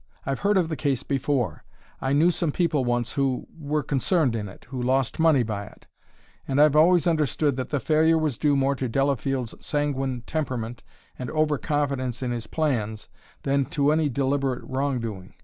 I've heard of the case before; I knew some people once who were concerned in it who lost money by it and I've always understood that the failure was due more to Delafield's sanguine temperament and over confidence in his plans than to any deliberate wrongdoing.